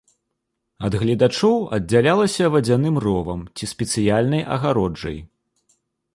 Ад гледачоў аддзялялася вадзяным ровам ці спецыяльнай агароджай.